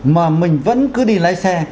mà mình vẫn cứ đi lái xe